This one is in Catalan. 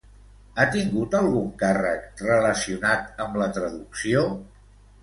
Ha tingut algun càrrec relacionat amb la traducció?